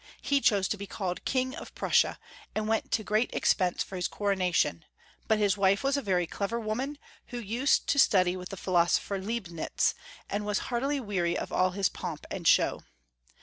He chose to be called King of Prussia, and went to great expense for his coronation, but his wife was a very clever woman, who used to study with the philosopher Leibnitz, and was heartily weary of all his pomp and show.